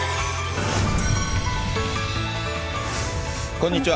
こんにちは。